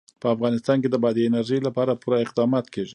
په افغانستان کې د بادي انرژي لپاره پوره اقدامات کېږي.